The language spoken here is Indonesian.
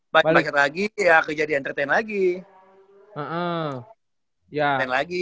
main basket lagi ya kejadian entertain lagi